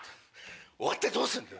終わってどうするんだよ！